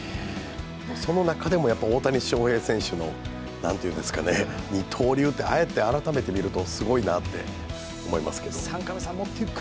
その中でも大谷翔平選手の二刀流って改めて見るとすごいなって思いますね。